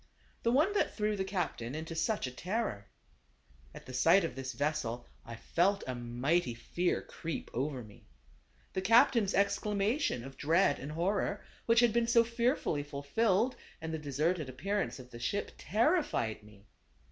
The one that threw the captain into such a terror. At the sight of this vessel I felt a mighty fear creep over me. The cap tain's exclamation of dread and horror, which had been so fearfully fulfilled, and the deserted appearance of the ship, terrified me.